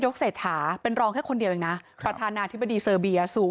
ขอบพระคุณครับ